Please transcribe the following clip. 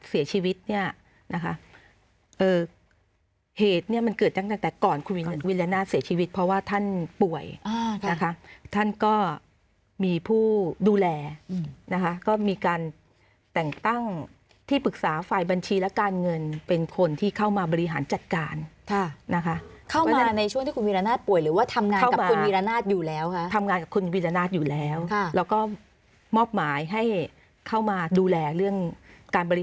เอ่อเหตุเนี่ยมันเกิดตั้งแต่ก่อนคุณวิรณนาฏเสียชีวิตเพราะว่าท่านป่วยนะคะท่านก็มีผู้ดูแลนะคะก็มีการแต่งตั้งที่ปรึกษาฝ่ายบัญชีและการเงินเป็นคนที่เข้ามาบริหารจัดการค่ะนะคะเข้ามาในช่วงที่คุณวิรณนาฏป่วยหรือว่าทำงานกับคุณวิรณนาฏอยู่แล้วคะทำงานกับคุณวิรณนาฏอยู่แล้วค่ะแล้วก